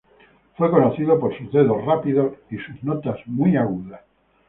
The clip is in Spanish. Fue conocido por sus dedos rápidos y sus notas muy agudas.